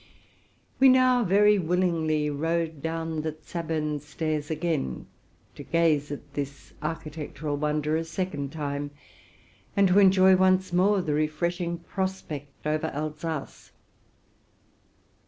We now very gladly rode down the Zabern stairs again to gaze at this architectural wonder a second time, and to enjoy once more the refreshing prospect over Alsace.